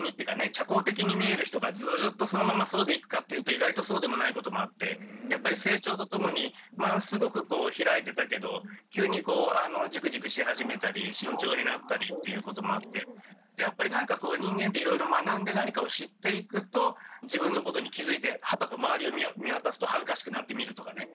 社交的に見える人がずっとそのままそうでいくかっていうと意外とそうでもないこともあってやっぱり成長とともに前はすごくこう開いてたけど急にこうジュクジュクし始めたり慎重になったりっていうこともあってやっぱりなんかこう人間っていろいろ学んで何かを知っていくと自分のことに気付いてはたと周りを見渡すと恥ずかしくなってみるとかね。